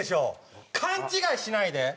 勘違いしないで！